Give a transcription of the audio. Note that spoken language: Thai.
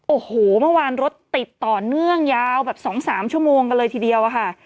โอ้โหเมื่อวานรถติดต่อเนื่องยาวแบบ๒๓ชั่วโมงกันเลยทีเดียวอะค่ะ